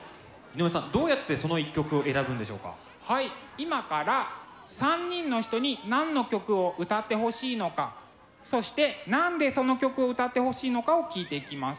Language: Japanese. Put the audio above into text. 今から３人の人に何の曲を歌ってほしいのかそして何でその曲を歌ってほしいのかを聞いていきます。